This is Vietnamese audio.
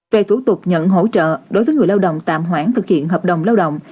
về thủ tục nhận hỗ trợ đối với người lao động tạm hoãn thực hiện hợp đồng lao động